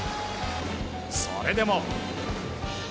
それでも。